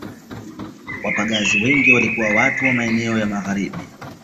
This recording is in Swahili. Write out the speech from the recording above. Wapagazi wengi walikuwa watu wa maeneo ya Magharibi